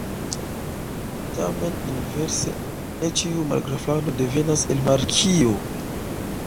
Tamen inverse, ne ĉiu margraflando devenas el markio.